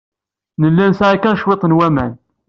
Nella nesɛa kan cwiṭ n waman.